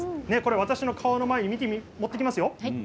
私の顔の前に持ってきますよ。